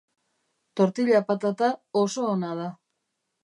tortilla patata oso ona da